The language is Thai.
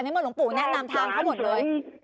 เมื่อหลวงปู่แนะนำทางเขาหมดเลย